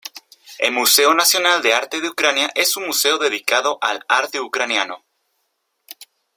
El Museo Nacional de Arte de Ucrania es un museo dedicado al arte ucraniano.